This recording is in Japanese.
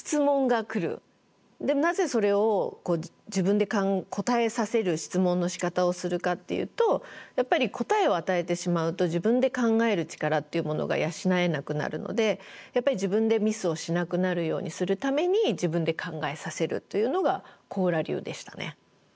なぜそれを自分で答えさせる質問のしかたをするかっていうとやっぱり答えを与えてしまうと自分で考える力っていうものが養えなくなるのでやっぱり自分でミスをしなくなるようにするために自分で考えさせるというのが小浦流でしたね。